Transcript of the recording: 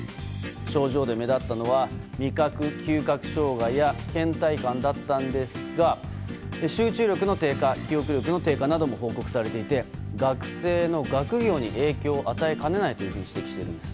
症状で目立ったのは味覚・嗅覚障害や倦怠感だったんですが集中力の低下記憶力の低下なども指摘されていて学生の学業に影響を与えかねないと指摘しています。